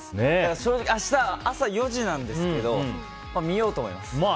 正直、明日朝４時なんですけど見ようと思います。